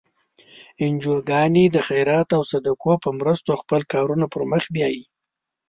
انجوګانې د خیرات او صدقو په مرستو خپل کارونه پر مخ بیایي.